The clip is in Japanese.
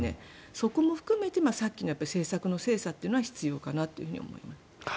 そこも含めてさっきの政策の精査は必要かなと思います。